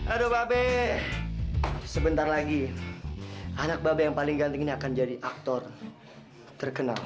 aduh babe sebentar lagi anak babe yang paling ganting ini akan jadi aktor terkenal